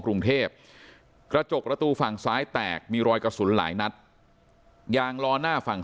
กรุงเทพกระจกประตูฝั่งซ้ายแตกมีรอยกระสุนหลายนัดยางล้อหน้าฝั่ง